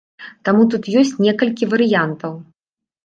Таму тут ёсць некалькі варыянтаў.